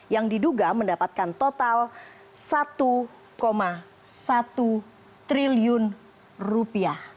yang diduga mendapatkan total satu satu triliun rupiah